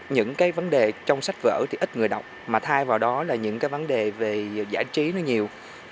những vấn đề trong sách vở thì ít người đọc mà thay vào đó là những vấn đề về giải trí rất nhiều